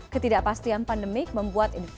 ketidakpastian pandemik membuat investasi